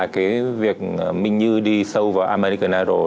cái việc minh như đi sâu vào american idol